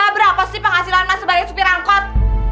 berapa sih penghasilan mas sebagai supir angkot